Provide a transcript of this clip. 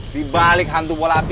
dibalik hantu bola api